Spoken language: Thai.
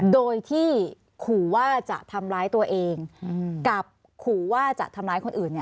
โดยที่ขู่ว่าจะทำร้ายตัวเองกับขู่ว่าจะทำร้ายคนอื่น